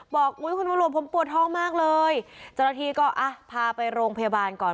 อุ้ยคุณตำรวจผมปวดท้องมากเลยเจ้าหน้าที่ก็อ่ะพาไปโรงพยาบาลก่อน